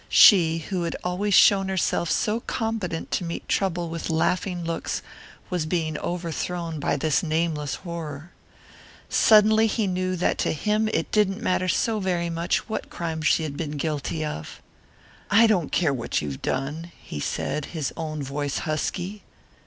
She who had always shown herself so competent to meet trouble with laughing looks was being overthrown by this nameless horror. Suddenly he knew that to him it didn't matter so very much what crime she had been guilty of. "I don't care what you've done," he said, his own voice husky.